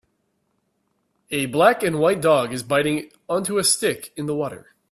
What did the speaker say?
A black and white dog is biting onto a stick in the water